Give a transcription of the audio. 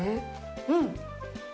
うん！